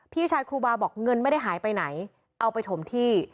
พี่ชายครูบาบอกเงินไม่ได้หายไปไหนเอาไปถมที่